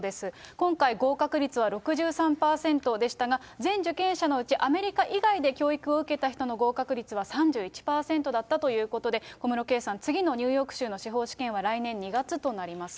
今回、合格率は６３％でしたが、全受験者のうちアメリカ以外で教育を受けた人の合格率は３１％だったということで、小室圭さん、次のニューヨーク州の司法試験は来年２月となります。